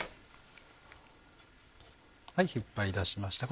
引っ張り出しました。